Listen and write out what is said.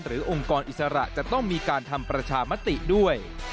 องค์กรอิสระจะต้องมีการทำประชามติด้วย